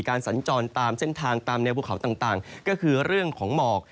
สัญจรตามเส้นทางตามแนวภูเขาต่างก็คือเรื่องของหมอก